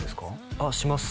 ああします